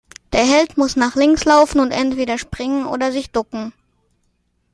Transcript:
Der Held muss nach links laufen und entweder springen oder sich ducken.